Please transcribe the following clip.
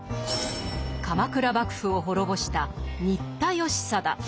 鎌倉幕府を滅ぼした新田義貞。